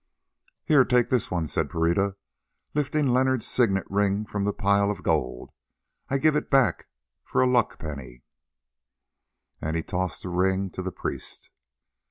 "Here, take this one," said Pereira, lifting Leonard's signet ring from the pile of gold. "I give it back for a luck penny." And he tossed the ring to the priest.